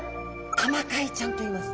タマカイちゃんといいます。